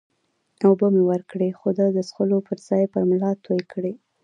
اوبه مې ورکړې، خو ده د څښلو پر ځای پر ملا توی کړې.